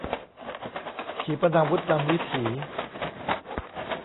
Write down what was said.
ขีปนาวุธนำวิถี